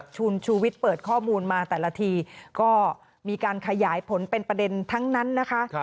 คุณชูวิทย์เปิดข้อมูลมาแต่ละทีก็มีการขยายผลเป็นประเด็นทั้งนั้นนะคะ